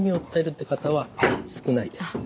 少ないんですね。